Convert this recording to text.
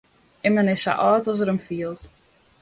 Immen is sa âld as er him fielt.